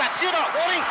ゴールイン。